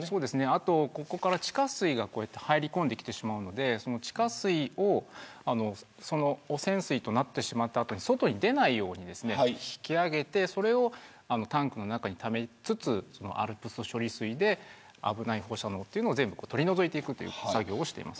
あと、ここから地下水が入り込んでしまうので汚染水となってしまった後に外に出ないように引き上げてタンクの中にためつつＡＬＰＳ処理水で危ない放射能を全部取り除いていく作業をしています。